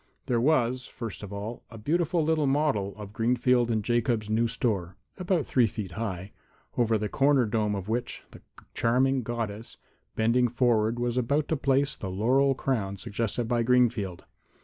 There was, first of all, a beautiful little model of Greenfield & Jacobs' new store, about three feet high, over the corner dome of which the charming Goddess, bending forward, was about to place the laurel crown suggested by Greenfield.